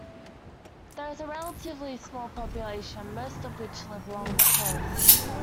There is a relatively small population, most of which live along the coast.